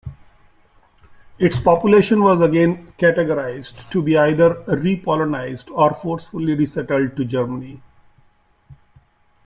Its population was again categorized to be either "re-polonized" or forcefully resettled to Germany.